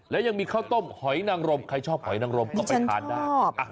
แล้วยังมีข้าวต้มหอยนังรมใครชอบหอยนังรมก็ไปทานได้